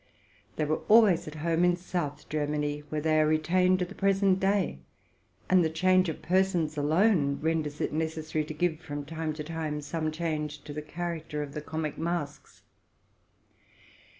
They were always at home in South Germany, where they are retained to the present day; and the change of persons alone renders it necessary to give, from time to time, some change to the character of the farcical masks.